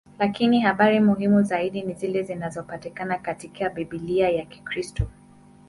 Lakini habari muhimu zaidi ni zile zinazopatikana katika Biblia ya Kikristo.